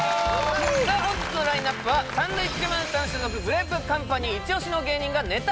さあ本日のラインナップはサンドウィッチマンさん所属グレープカンパニー一押しの芸人がネタ